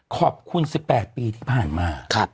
ขอบคุณ๑๘ปีที่ผ่านมา